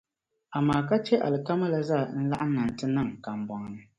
amaa ka chɛ alikama la zaa n-laɣim na nti niŋ n kambɔŋ ni.